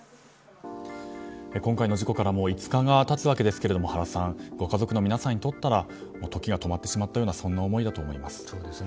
今回の事故からもう５日が経つわけですが原さんご家族の皆さんにとったら時が止まってしまったような思いだと思います。